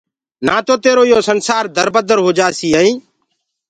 نآ تو تيرو يو سنسآر دربدر هوجآسيٚ ائينٚ